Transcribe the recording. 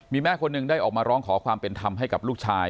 มีแม่คนหนึ่งได้ออกมาร้องขอความเป็นธรรมให้กับลูกชาย